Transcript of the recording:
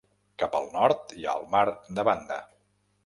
Cap al nord hi ha el mar de Banda.